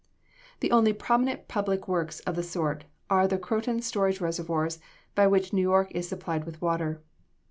The only prominent public works of the sort are the Croton storage reservoirs, by which New York is supplied with water.